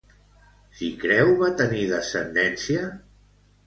Cicreu va tenir descendència?